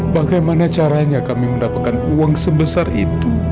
bagaimana caranya kami mendapatkan uang sebesar itu